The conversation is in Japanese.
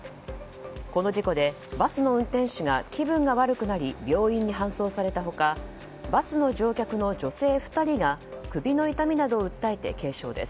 この事故でバスの運転手が気分が悪くなり病院に搬送された他バスの乗客の女性２人が首の痛みなどを訴えて軽傷です。